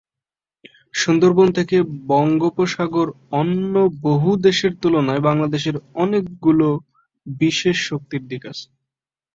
সুন্দরবন থেকে বঙ্গোপসাগরঅন্য বহু দেশের তুলনায় বাংলাদেশের অনেকগুলো বিশেষ শক্তির দিক আছে।